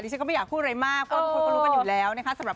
ฉันก็ไม่อยากพูดอะไรมากเพราะทุกคนก็รู้กันอยู่แล้วนะคะสำหรับ